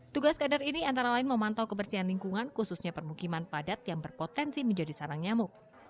tugas kadar ini antara lain memantau kebersihan lingkungan khususnya permukiman padat yang berpotensi menjadi sarang nyamuk